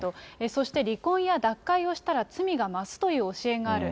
そして離婚や脱会をしたら罪が増すという教えがある。